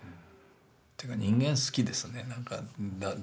っていうか人間好きですねなんか。